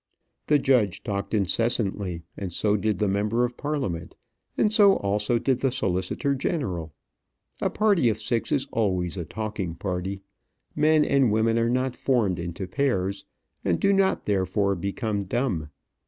The judge talked incessantly, and so did the member of Parliament, and so also did the solicitor general. A party of six is always a talking party. Men and women are not formed into pairs, and do not therefore become dumb.